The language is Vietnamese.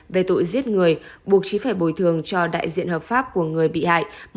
về tội giết người buộc trí phải bồi thường cho đại diện hợp pháp của người bị hại